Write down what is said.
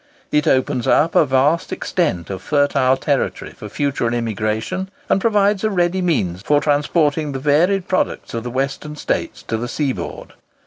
It opens up a vast extent of fertile territory for future immigration, and provides a ready means for transporting the varied products of the Western States to the seaboard.